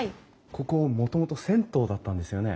ここもともと銭湯だったんですよね？